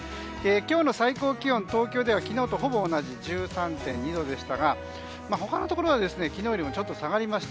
今日の最高気温、東京では昨日とほぼ同じ１３．２度でしたが他のところは昨日よりもちょっと下がりました。